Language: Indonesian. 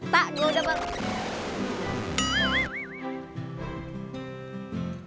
pak gue udah bales